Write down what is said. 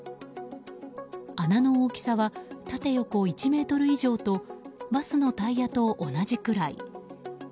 穴の大きさは縦横１ｍ以上とバスのタイヤと同じくらい。